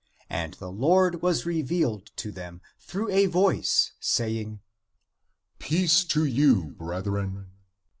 And the Lord was revealed to them, through a voice saying, "Peace to you, brethren!"